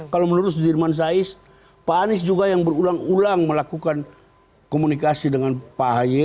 kalau menurut sudirman sais pak anies juga yang berulang ulang melakukan komunikasi dengan pak haye